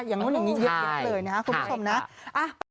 คุณพี่ขอบคุณครับ